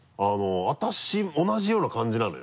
私同じような感じなのよ。